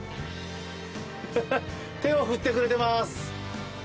手を振ってくれてます。